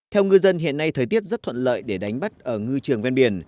theo ngư dân hiện nay thời tiết rất thuận lợi để đánh bắt ở ngư trường ven biển